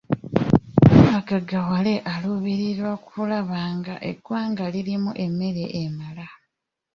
Bonna bagaggawale aluubirira kulaba nga eggwanga lirimu emmere emala.